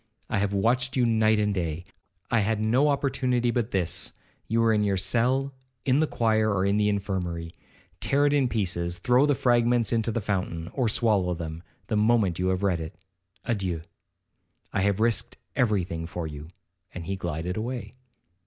I have watched you night and day. I had no opportunity but this,—you were in your cell, in the choir, or in the infirmary. Tear it in pieces, throw the fragments into the fountain, or swallow them, the moment you have read it.—Adieu. I have risked every thing for you,' and he glided away.